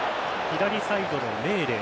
左サイドのメーレ。